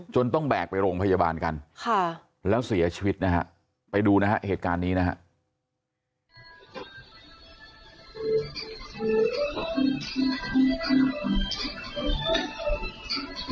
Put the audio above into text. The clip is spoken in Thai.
ต้องแบกไปโรงพยาบาลกันค่ะแล้วเสียชีวิตนะฮะไปดูนะฮะเหตุการณ์นี้นะครับ